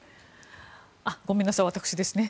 ごめんなさい、私ですね。